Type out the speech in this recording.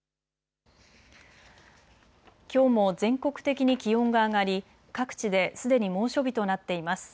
きょうも全国的に気温が上がり各地ですでに猛暑日となっています。